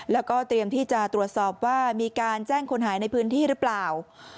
แล้วก็เตรียมที่จะตรวจสอบว่ามีการแจ้งคนหายในพื้นที่หรือเปล่า